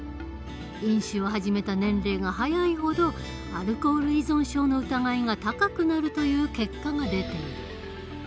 飲酒を始めた年齢が早いほどアルコール依存症の疑いが高くなるという結果が出ている。